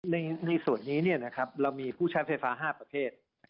ในส่วนนี้เรามีผู้ใช้ไฟฟ้า๕ประเทศ